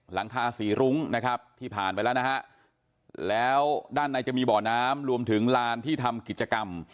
หลังคาสี่รุ้งที่ผ่านไปแล้วด้านในจะมีบ่อน้ำรวมถึงลานที่ทำกิจกรรม